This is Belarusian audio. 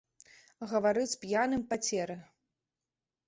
Гавары з п'яным пацеры.